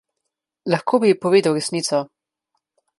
Lahko bi ji povedal resnico.